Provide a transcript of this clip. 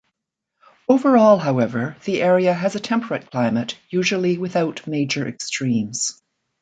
Overall, however, the area has a temperate climate, usually without major extremes.